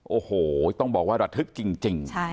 โอ้โหต้องบอกว่าระทึกจริง